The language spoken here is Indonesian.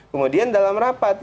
kemudian dalam rapat